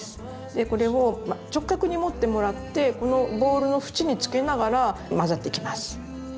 これを直角に持ってもらってこのボウルの縁につけながら混ぜていきます。